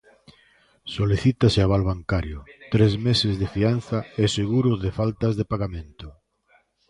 Solicítase aval bancario, tres meses de fianza e seguro de faltas de pagamento.